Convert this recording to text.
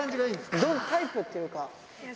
どんなタイプっていうか。